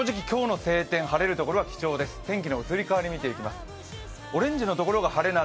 正直、今日の晴天、晴れるところは貴重です。